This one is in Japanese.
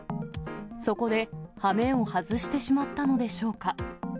そこではめを外してしまったのでしょうか。